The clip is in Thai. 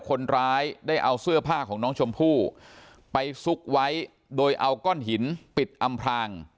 คนร้ายได้เอาเสื้อผ้าของน้องชมพู่ไปซุกไว้โดยเอาก้อนหินปิดอำพลาง